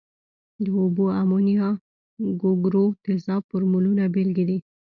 د اوبو، امونیا، ګوګړو تیزاب فورمولونه بیلګې دي.